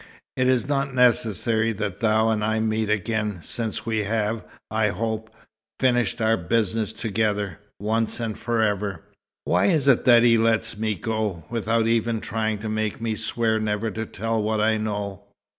It is not necessary that thou and I meet again, since we have, I hope, finished our business together, once and for ever." "Why is it that he lets me go, without even trying to make me swear never to tell what I know?"